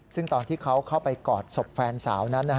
ซึ่งตอนที่เขาเข้าไปกอดศพแฟนสาวนั้น